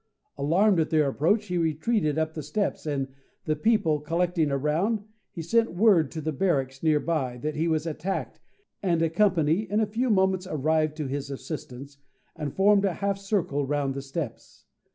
Alarmed at their approach, he retreated up the steps, and, the people collecting around, he sent word to the barracks, near by, that he was attacked, and a company in a few moments arrived to his assistance, and formed a half circle round the steps.